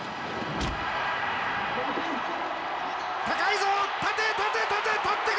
高いぞ！